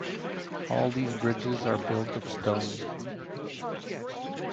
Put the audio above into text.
All these bridges are built of stone.